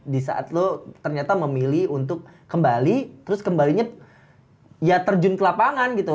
di saat lo ternyata memilih untuk kembali terus kembalinya ya terjun ke lapangan gitu